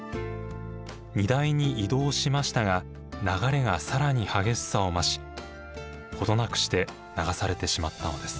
荷台に移動しましたが流れが更に激しさを増し程なくして流されてしまったのです。